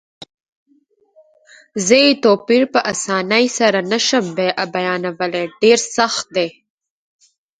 زه یې توپیر په اسانۍ سره نه شم بیانولای، ډېر سخت دی.